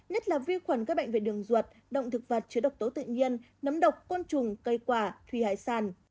nhất là vi khuẩn gây bệnh về đường ruột động thực vật chứa độc tố tự nhiên nấm độc côn trùng cây quả thuy hải sàn